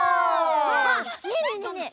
ねえねえねえねえ